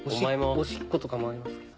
おしっことかもありますけど。